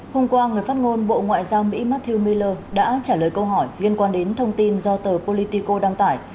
hôm qua người phát ngôn bộ ngoại giao mỹ matthew meler đã trả lời câu hỏi liên quan đến thông tin do tờ politico đăng tải